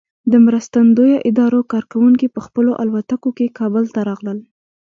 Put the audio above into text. د مرستندویه ادارو کارکوونکي په خپلو الوتکو کې کابل ته راغلل.